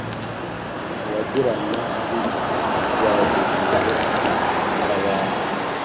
abagiranabi bahururijwe gutabara.